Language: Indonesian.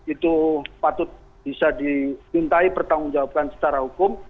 itu patut bisa dimintai bertanggung jawabkan secara hukum